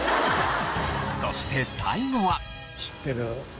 そして最後は。